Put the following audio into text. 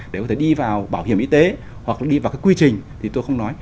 để có thể đi vào bảo hiểm y tế hoặc đi vào cái quy trình thì tôi không nói